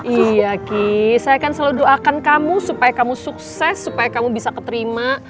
iya ki saya akan selalu doakan kamu supaya kamu sukses supaya kamu bisa keterima